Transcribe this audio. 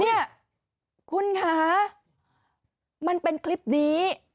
เนี่ยคุณค่ะมันเป็นคลิปนี้